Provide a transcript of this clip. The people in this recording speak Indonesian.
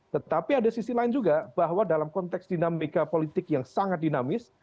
tetapi ada sisi lain juga bahwa dalam konteks dinamika politik yang sangat dinamis